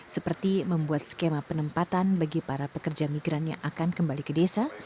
seperti membuat skema penempatan bagi para pekerja migran yang akan kembali ke desa